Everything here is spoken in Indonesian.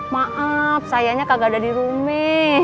maaf sayanya kagak ada di rumit